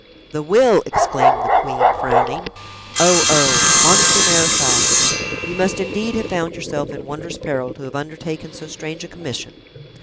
"The will!" exclaimed the queen, frowning. "Oh! oh! monsieur marechal, you must indeed have found yourself in wondrous peril to have undertaken so strange a commission!"